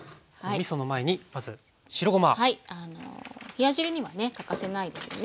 冷や汁にはね欠かせないですよね。